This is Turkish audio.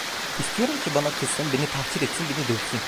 İstiyorum ki, bana kızsın, beni tahkir etsin, beni dövsün.